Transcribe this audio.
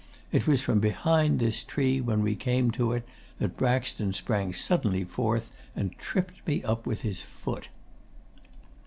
It was from behind this tree, when we came to it, that Braxton sprang suddenly forth and tripped me up with his foot.